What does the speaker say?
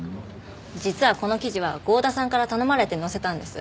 実はこの記事は郷田さんから頼まれて載せたんです。